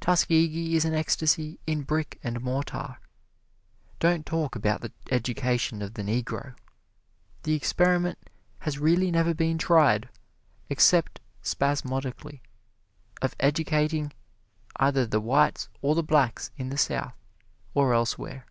Tuskegee is an ecstasy in brick and mortar. Don't talk about the education of the Negro! The experiment has really never been tried, except spasmodically, of educating either the whites or the blacks in the South or elsewhere.